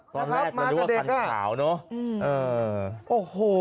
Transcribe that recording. ตอนแรกลือกันขาวเนอะ